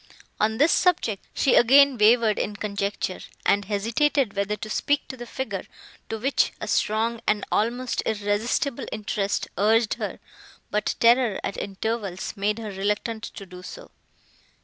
On this subject, she again wavered in conjecture, and hesitated whether to speak to the figure, to which a strong and almost irresistible interest urged her; but terror, at intervals, made her reluctant to do so.